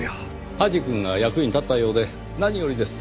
土師くんが役に立ったようで何よりです。